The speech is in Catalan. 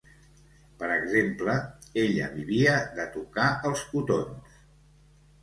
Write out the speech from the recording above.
Per exemple, «ella vivia de tocar els cotons».